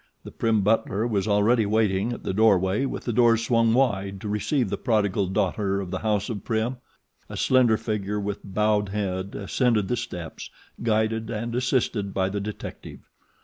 The Prim butler was already waiting at the doorway with the doors swung wide to receive the prodigal daughter of the house of Prim. A slender figure with bowed head ascended the steps, guided and assisted by the detective.